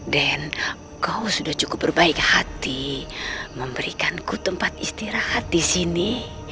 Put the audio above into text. dan kau sudah cukup berbaik hati memberikanku tempat istirahat di sini